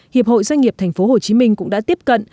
hiệp hội doanh nghiệp tp hcm cũng đã tiếp cận